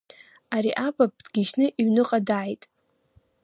Ари апап дгьыжьны иҩныҟа дааит.